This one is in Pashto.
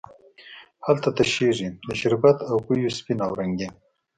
هلته تشیږې د شربت او پېو سپین او رنګین،